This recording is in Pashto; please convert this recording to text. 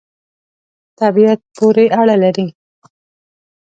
طبعیت پوری اړه لری